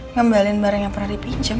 ngembalin barang yang pernah dipinjam